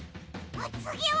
おつぎは？